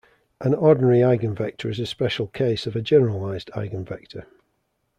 An ordinary eigenvector is a special case of a generalized eigenvector.